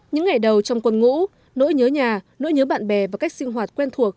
những ngày đầu trong quân ngũ nỗi nhớ nhà nỗi nhớ bạn bè và cách sinh hoạt quen thuộc